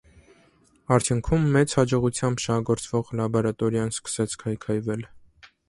Արդյունքում մեծ հաջողությամբ շահագործվող լաբորատորիան սկսեց քայքայվել։